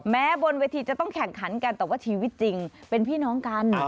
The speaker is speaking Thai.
บนเวทีจะต้องแข่งขันกันแต่ว่าชีวิตจริงเป็นพี่น้องกัน